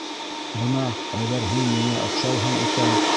Бына әгәр һин миңә оҡшайһың икән...